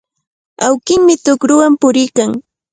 Awkinmi tukrunwan puriykan.